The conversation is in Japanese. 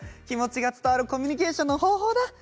気持ちが伝わるコミュニケーションの方法だ。